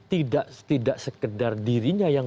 tidak sekedar dirinya yang